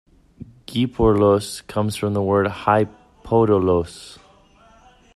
Giporlos comes from the word "Hi-Podolos".